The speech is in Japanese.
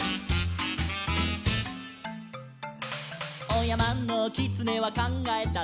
「おやまのきつねはかんがえた」